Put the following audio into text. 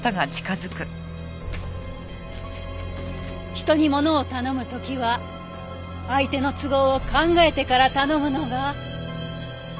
人にものを頼む時は相手の都合を考えてから頼むのが筋ってもんでしょ？